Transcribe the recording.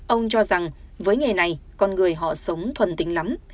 ông cho rằng với nghề này con người họ sống thuần tính lắm